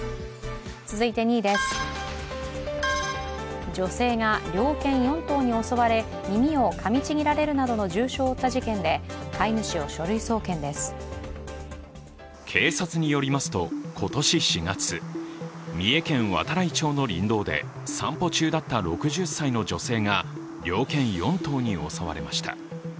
続いて２位です、女性が猟犬４頭に襲われ耳をかみちぎられるなどの重傷を負った事件で警察によりますと、今年４月三重県度会町の林道で散歩中だった６０歳の女性が猟犬４頭に襲われました。